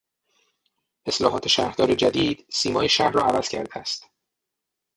اصلاحات شهردار جدید سیمای شهر را عوض کرده است.